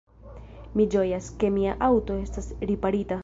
Mi ĝojas, ke mia aŭto estas riparita.